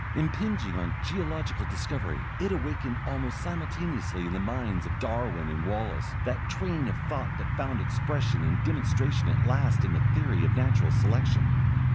Impinging on geological discovery, it awakened almost simultaneously in the minds of Darwin and Wallace, that train of thought that found expression and demonstration at last in the theory of natural selection.